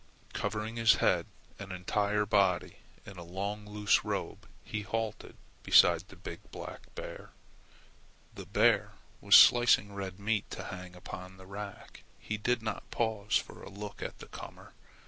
Covering his head and entire body in a long loose robe he halted beside the big black bear. The bear was slicing red meat to hang upon the rack. He did not pause for a look at the comer.